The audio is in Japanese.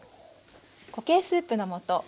固形スープの素。